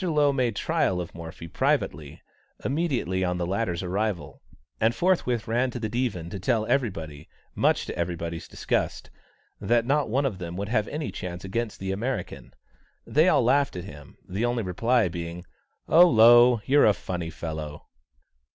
Lowe made trial of Morphy privately, immediately on the latter's arrival, and forthwith ran to the Divan to tell everybody, much to everybody's disgust, that not one of them would have any chance against the American. They all laughed at him, the only reply being, "Oh, Lowe, you're a funny fellow!"